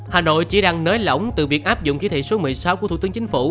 hà nội chỉ đang nới lỏng từ việc áp dụng chỉ thị số một mươi sáu của thủ tướng chính phủ